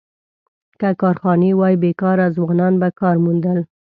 که کارخانې وای، بېکاره ځوانان به کار موندل.